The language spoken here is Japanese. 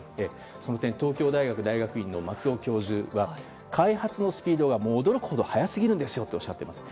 その点東京大学大学院の松尾教授は開発のスピードが驚くほど早すぎるんですとおっしゃっています。